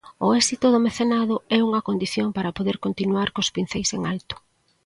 O éxito do mecenado é unha condición para poder continuar cos pinceis en alto.